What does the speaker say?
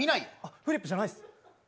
フリップじゃないです。